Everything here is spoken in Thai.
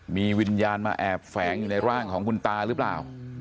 มีวิญญาณมาแอบแฝงอยู่ในร่างของคุณตาหรือเปล่า